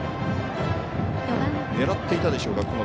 狙っていたでしょうか。